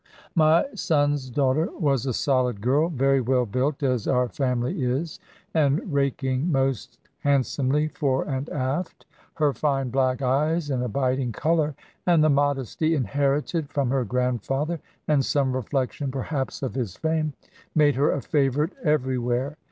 My son's daughter was a solid girl, very well built as our family is, and raking most handsomely fore and aft. Her fine black eyes, and abiding colour, and the modesty inherited from her grandfather, and some reflection perhaps of his fame, made her a favourite everywhere.